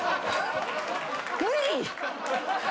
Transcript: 無理！